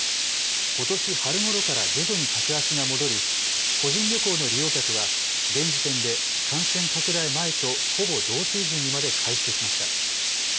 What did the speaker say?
ことし春ごろから徐々に客足が戻り個人旅行の利用客は現時点で感染拡大前とほぼ同水準にまで回復しました。